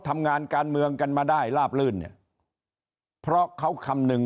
ทำงานการเมืองกันมาได้ลาบลื่นเนี่ยเพราะเขาคำนึง